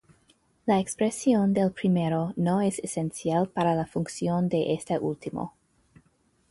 La expresión del primero no es esencial para la función de este último.